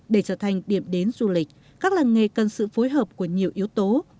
để trở thành điểm đến du lịch các làng nghề cần sự phối hợp của nhiều yếu tố